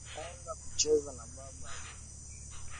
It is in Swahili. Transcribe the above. Nitaenda kucheza na baba yangu